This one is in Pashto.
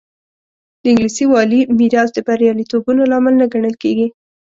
د انګلیسي والي میراث د بریالیتوبونو لامل نه ګڼل کېږي.